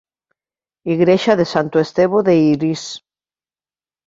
Igrexa de Santo Estevo de Irís.